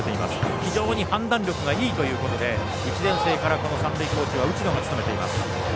非常に判断力がいいということで１年生から三塁コーチは内野が務めています。